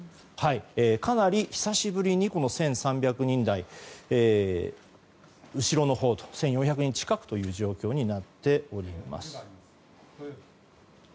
かなり久しぶりに１３００人台の後ろのほう１４００人近くという状況になっております。